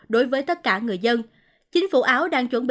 đối với tất cả người dân